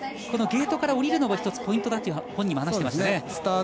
このゲートから降りるのが１つポイントだと本人も話していますね。